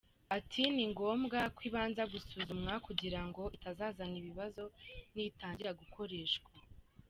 Ati “Ni ngombwa ko ibanza gusuzumwa kugira ngo itazazana ibibazo nitangira gukoreshwa.